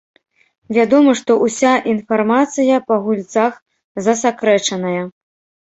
Вядома, што ўся інфармацыя па гульцах засакрэчаная.